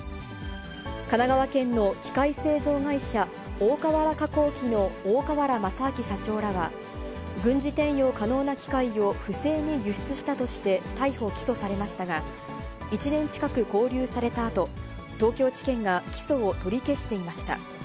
神奈川県の機械製造会社、大川原化工機の大川原正明社長らは、軍事転用可能な機械を不正に輸出したとして、逮捕・起訴されましたが、１年近く勾留されたあと、東京地検が起訴を取り消していました。